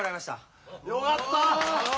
よかった！